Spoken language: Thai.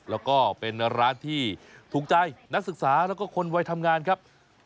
แล้วก็เป็นร้านที่ถูกใจนักศึกษาแล้วก็คนวัยทำงานครับ